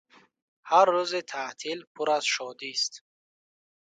Ҳар рӯзи таътил пур аз шодист.